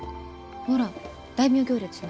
ほら大名行列の。